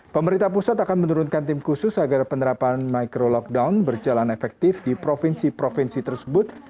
pemerintah pusat akan menurunkan tim khusus agar penerapan micro lockdown berjalan efektif di provinsi provinsi tersebut